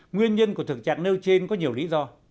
nguyên nhân của thực trạng nêu trên có nhiều lý do